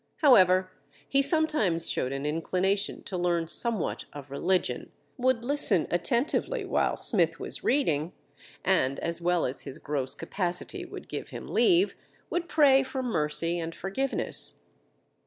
However, he sometimes showed an inclination to learn somewhat of religion, would listen attentively while Smith was reading, and as well as his gross capacity would give him leave, would pray for mercy and forgiveness.